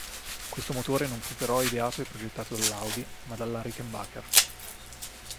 Questo motore non fu però ideato e progettato dall'Audi, ma dalla Rickenbacker.